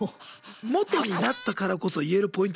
元になったからこそ言えるポイント